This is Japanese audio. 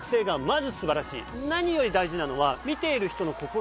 何より大事なのは。